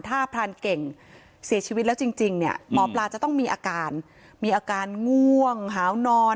ถ้าพรานเก่งเสียชีวิตแล้วจริงเนี่ยหมอปลาจะต้องมีอาการมีอาการง่วงหาวนอน